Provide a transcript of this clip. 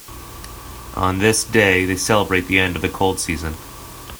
On this day they celebrate the end of the cold season.